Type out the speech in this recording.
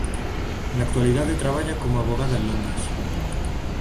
Na actualidade traballa como avogada en Londres.